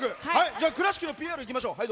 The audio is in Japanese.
倉敷のＰＲいきましょう！